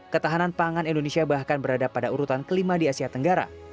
ketahanan pangan indonesia bahkan berada pada urutan kelima di asia tenggara